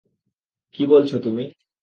কী বলছ তুমি?